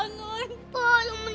wah yang meninggal dulu man